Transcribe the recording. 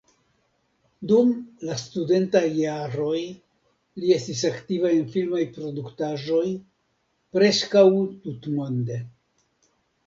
Dum la studentaj jaroj li estis aktiva en filmaj produktaĵoj preskaŭ tutmonde.